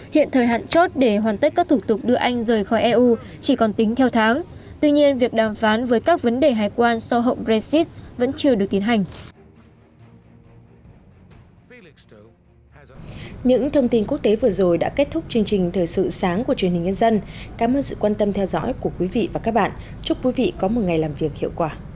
hãy đăng ký kênh để ủng hộ kênh mình nhé